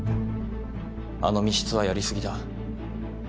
あの密室はやりすぎだ。